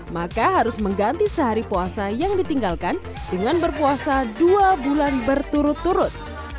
maka harus mengganti sehari puasa yang ditinggalkan dengan berpuasa dua bulan berturut turut